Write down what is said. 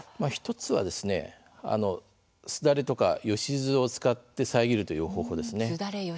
１つは、すだれとかよしずを使って遮るという方法ですね。